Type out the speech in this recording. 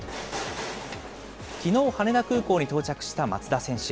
きのう、羽田空港に到着した松田選手。